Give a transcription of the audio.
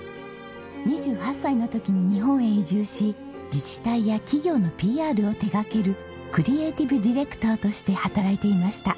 ２８歳の時に日本へ移住し自治体や企業のＰＲを手掛けるクリエーティブディレクターとして働いていました。